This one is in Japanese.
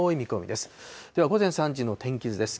では午前３時の天気図です。